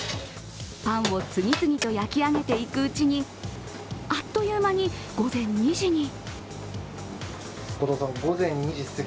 パンを次々と焼き上げていくうちに、あっという間に午前２時に。